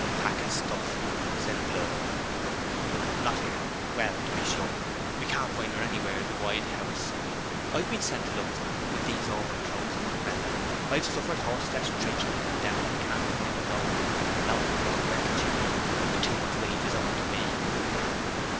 'Pack o' stuff!' said Blore. 'Not here? Well, to be sure! We can't find her anywhere in the wide house! I've been sent to look for her with these overclothes and umbrella. I've suffered horse flesh traipsing up and down, and can't find her nowhere. Lord, Lord, where can she be, and two months' wages owing to me!'